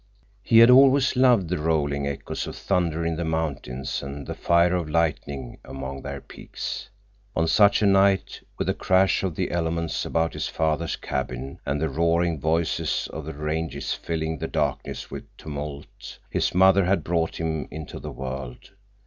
He had always loved the rolling echoes of thunder in the mountains and the fire of lightning among their peaks. On such a night, with the crash of the elements about his father's cabin and the roaring voices of the ranges filling the darkness with tumult, his mother had brought him into the world.